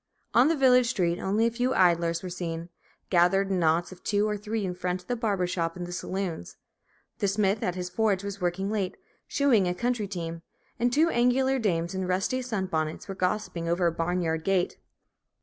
On the village street, only a few idlers were seen, gathered in knots of two or three in front of the barber shop and the saloons; the smith at his forge was working late, shoeing a country team; and two angular dames, in rusty sun bonnets, were gossiping over a barn yard gate.